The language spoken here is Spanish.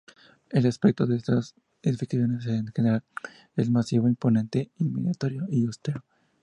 El aspecto de estas edificaciones, en general, es macizo, imponente, intimidatorio y austero.